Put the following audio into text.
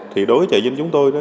thì đối với trại dân dân